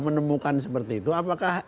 menemukan seperti itu apakah